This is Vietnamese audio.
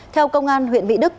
theo công an huyện mỹ đức